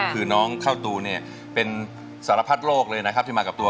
คือน้องเข้าตูเนี่ยเป็นสารพัดโลกเลยนะครับที่มากับตัว